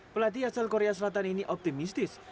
pelatih asal korea selatan ini optimistis